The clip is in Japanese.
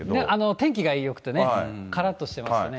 天気がよくてね、からっとしてますとね。